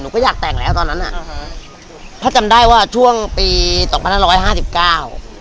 ก็อยากแต่งแล้วตอนนั้นอ่ะอ่าฮะถ้าจำได้ว่าช่วงปีสองพันห้าร้อยห้าสิบเก้า